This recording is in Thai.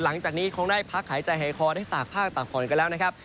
หลังจากนี้คงได้พักหายใจหายคอได้ตากผ้าตากผ่อนกันแล้วนะครับ